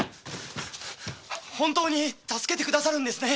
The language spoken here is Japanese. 本当に助けて下さるんですね！？